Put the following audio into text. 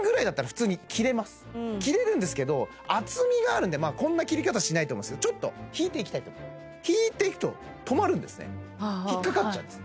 普通に切れます切れるんですけど厚みがあるんでまあこんな切り方しないと思うんですけどちょっと引いていきたいと引いていくと止まるんですね引っ掛かっちゃうんです